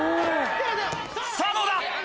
さぁどうだ？